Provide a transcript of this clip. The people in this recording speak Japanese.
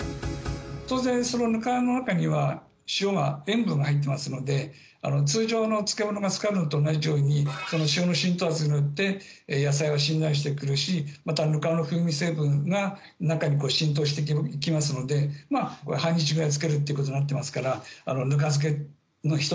当然そのぬかの中には塩が塩分が入ってますので通常の漬物が漬かるのと同じように塩の浸透圧によって野菜はしんなりして来るしまたぬかの風味成分が中に浸透して行きますので半日ぐらい漬けるっていうことになってますから。